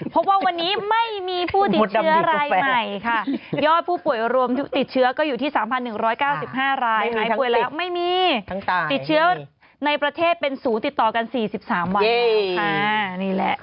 พบว่าวันนี้ไม่มีผู้ติดเชื้อรายใหม่ค่ะยอดผู้ป่วยรวมติดเชื้อก็อยู่ที่๓๑๙๕รายหายป่วยแล้วไม่มีติดเชื้อในประเทศเป็นศูนย์ติดต่อกัน๔๓วันแล้วค่ะนี่แหละ